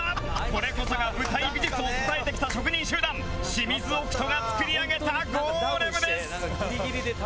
これこそが舞台美術を支えてきた職人集団シミズオクトが作り上げたゴーレムです！